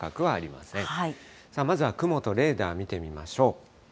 まずは雲とレーダー、見てみましょう。